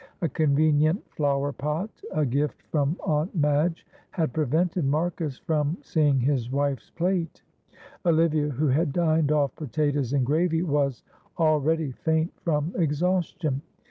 A convenient flower pot, a gift from Aunt Madge, had prevented Marcus from seeing his wife's plate. Olivia, who had dined off potatoes and gravy, was already faint from exhaustion.